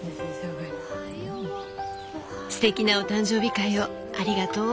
すてきなお誕生日会をありがとう。